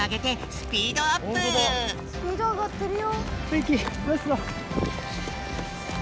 スピードあがってるよ！